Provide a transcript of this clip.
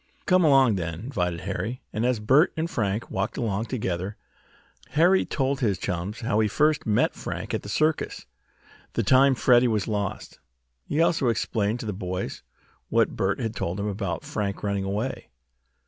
"Come along then," invited Harry, and as Bert and Frank walked along together, ahead of the others, Harry told his chums how he had first met Frank at the circus, the time Freddie was lost. He also explained to the boys what Bert had told him about Frank running away.